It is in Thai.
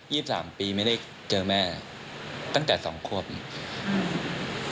สิบสามปีไม่ได้เจอแม่ตั้งแต่สองขวบอืม